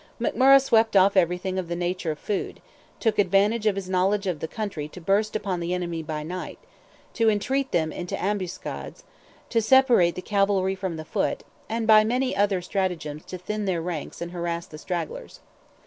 McMurrogh swept off everything of the nature of food—took advantage of his knowledge of the country to burst upon the enemy by night, to entrap them into ambuscades, to separate the cavalry from the foot, and by many other stratagems to thin their ranks and harass the stragglers.